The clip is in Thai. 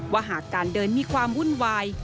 ว่าหากการเดินมีความวุ่นวาย